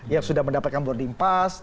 yang sudah mendapatkan boarding pass